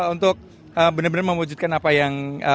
untuk benar benar mewujudkan apa yang